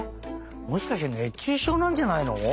もしかして熱中症なんじゃないの？